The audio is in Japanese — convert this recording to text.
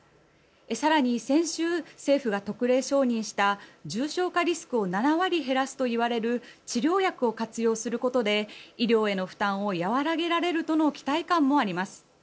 更に、先週政府が特例承認した重症化リスクを７割減らすといわれる治療薬を活用することで医療への負担を和らげられるとの期待感もあります。